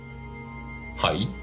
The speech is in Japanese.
はい？